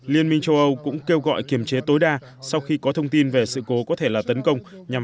liên minh châu âu cũng kêu gọi kiềm chế tối đa sau khi có thông tin về sự cố có thể là tấn công nhằm